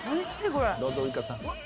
どうぞウイカさん。